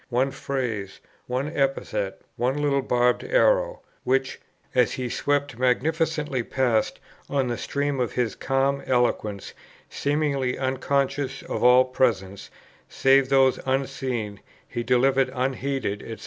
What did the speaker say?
one phrase, one epithet, one little barbed arrow, which, as he swept magnificently past on the stream of his calm eloquence, seemingly unconscious of all presences, save those unseen, he delivered unheeded," &c.